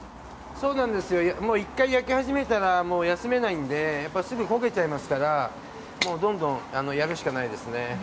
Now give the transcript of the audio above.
１回焼き始めたら休めないんで、すぐ焦げちゃいますから、どんどんやるしかないですね。